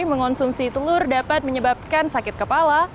mengonsumsi telur dapat menyebabkan sakit kepala